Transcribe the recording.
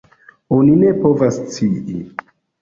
Oni ne povas scii.